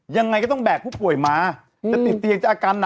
ยังไงก็ต้องแบกผู้ป่วยมาจะติดเตียงจะอาการหนัก